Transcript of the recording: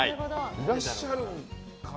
いらっしゃるかな。